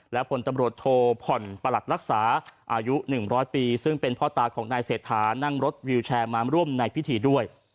และผลตำรวจโทผ่อนประหลัดรักษาอายุ๑๐๐ปีซึ่งเป็นพ่อตาของนายเศรษฐานั่งรถวิวแชร์มาร่วมในพิธีด้วย